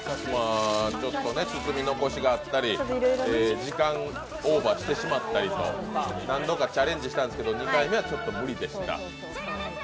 包み残しがあったり、時間オーバーしてしまったりと、何度かチャレンジしたんですけど２回目はちょっと無理でした。